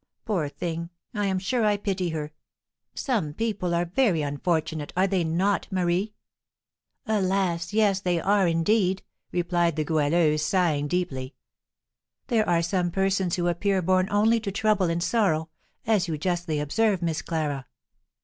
Poor thing! I am sure I pity her; some people are very unfortunate, are they not, Marie?" "Alas, yes, they are, indeed!" replied the Goualeuse, sighing deeply. "There are some persons who appear born only to trouble and sorrow, as you justly observe, Miss Clara."